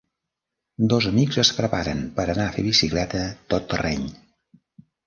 Dos amics es preparen per anar a fer bicicleta tot terreny.